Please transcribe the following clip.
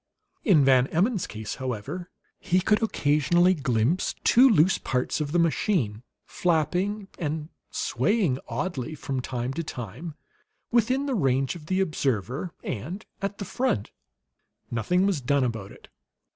In Van Emmon's case, however, he could occasionally glimpse two loose parts of the machine, flapping and swaying oddly from time to time within the range of the observer, and at the front. Nothing was done about it.